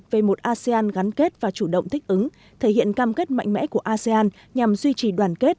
về một asean gắn kết và chủ động thích ứng thể hiện cam kết mạnh mẽ của asean nhằm duy trì đoàn kết